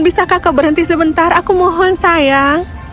bisa kakak berhenti sebentar aku mohon sayang